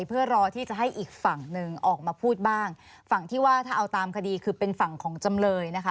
เพื่อรอที่จะให้อีกฝั่งหนึ่งออกมาพูดบ้างฝั่งที่ว่าถ้าเอาตามคดีคือเป็นฝั่งของจำเลยนะคะ